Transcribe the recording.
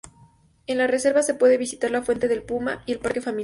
En la reserva se puede visitar la Fuente del Puma y el Parque Familiar.